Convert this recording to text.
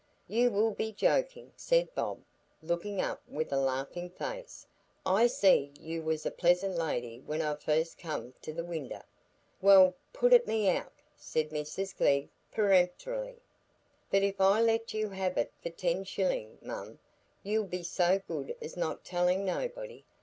"You will be jokin'," said Bob, looking up with a laughing face; "I see'd you was a pleasant lady when I fust come to the winder." "Well, put it me out," said Mrs Glegg, peremptorily. "But if I let you have it for ten shillin', mum, you'll be so good as not tell nobody.